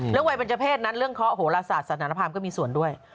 เรื่องวัยเบนเจอร์เพศนั้นเรื่องข้อโหลาศาสตร์สนานพราหมณ์ก็มีส่วนด้วย